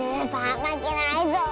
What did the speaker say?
まけないぞ！